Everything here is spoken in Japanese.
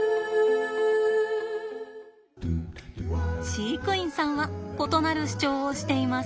飼育員さんは異なる主張をしています。